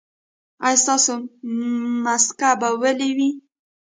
ایا ستاسو مسکه به ویلې وي؟